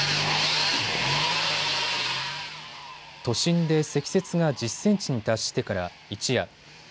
都心で積雪が１０センチに達してから一夜。